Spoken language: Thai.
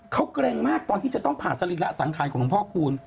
เขาเกรงมากตอนที่จะต้องผ่าสรีระสังขารของหลวงพ่อคูณ